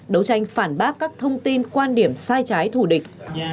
đấu tranh phản bác các thông tin quan điểm sai trái thù địch